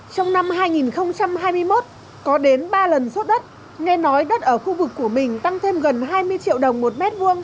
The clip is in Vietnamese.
trong năm hai nghìn hai mươi một có đến ba lần xuất đất nghe nói đất ở khu vực của bình tăng thêm gần hai mươi triệu đồng một m hai